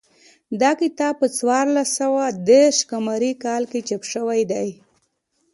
دا کتاب په څوارلس سوه دېرش قمري کال کې چاپ شوی دی